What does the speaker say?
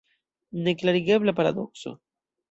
Neklarigebla paradokso!